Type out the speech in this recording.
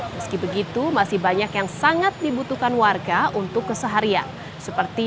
meski begitu masih banyak yang sangat dibutuhkan warga untuk keseharian seperti